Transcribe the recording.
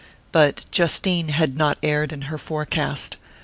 But Justine had not erred in her forecast.